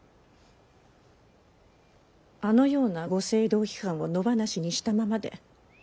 あのようなご政道批判を野放しにしたままで。